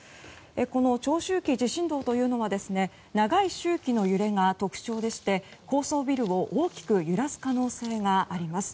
この長周期地震動というのは長い周期の揺れが特徴でして高層ビルを大きく揺らす可能性があります。